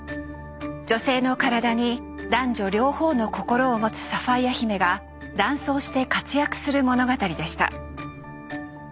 女性の体に男女両方の心を持つサファイア姫が男装して活躍する物語でした。